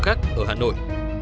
khác ở hà nội